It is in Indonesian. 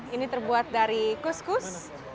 ini terbuat dari kus kus